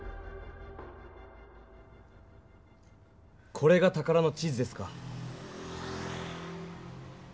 これが宝の地図ですか。